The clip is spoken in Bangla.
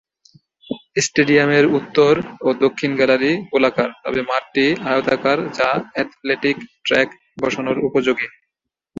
স্টেডিয়ামের উত্তর ও দক্ষিণ গ্যালারি গোলাকার, তবে মাঠটি আয়তাকার যা অ্যাথলেটিক ট্র্যাক বসানোর উপযোগী।